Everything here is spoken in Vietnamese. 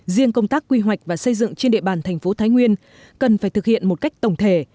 riêng công tác quy hoạch và xây dựng trên địa bàn thành phố thái nguyên cần phải thực hiện một cách tổng thể